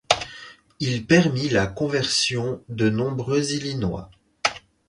Il permit la conversion de nombreux Illinois.